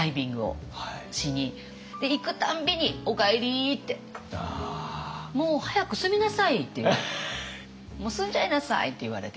行く度に「おかえり」って「もう早く住みなさい」って「もう住んじゃいなさい」って言われてて。